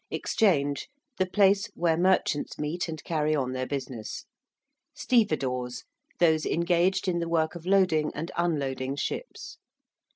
~Exchange~: the place where merchants meet and carry on their business. ~stevedores~: those engaged in the work of loading and unloading ships.